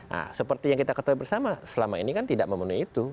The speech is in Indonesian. nah seperti yang kita ketahui bersama selama ini kan tidak memenuhi itu